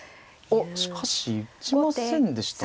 おっしかし打ちませんでしたね。